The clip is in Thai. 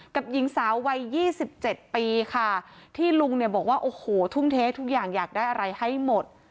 หญิงสาววัย๒๗ปีค่ะที่ลุงเนี่ยบอกว่าโอ้โหทุ่มเททุกอย่างอยากได้อะไรให้หมด